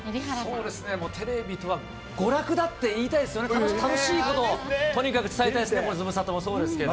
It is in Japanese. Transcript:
そうですね、テレビとは、娯楽だって言いたいですよね、楽しいことをとにかく伝えたいですね、このズムサタもそうですけど。